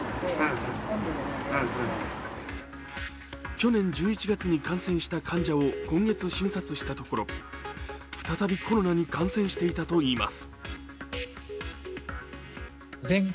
去年１１月に感染した患者を今月診察したところ再びコロナに感染していたといいます。